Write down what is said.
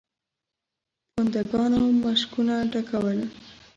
پونده ګانو مشکونه ډکول.